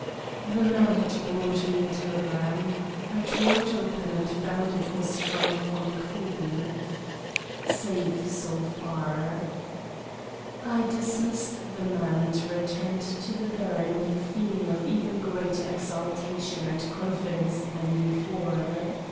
The man had brought me a telegram. I tore it open and found it was from von Krugen. "Safe so far." I dismissed the man and returned to the baron with a feeling of even greater exultation and confidence than before.